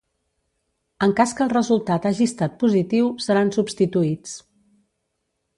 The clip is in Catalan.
En cas que el resultat hagi estat positiu, seran substituïts.